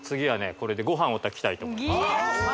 これでご飯を炊きたいと思います